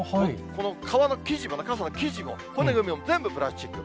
この傘の生地も、骨組みも、全部プラスチック。